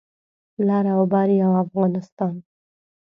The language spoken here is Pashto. لر او بر یو افغانستان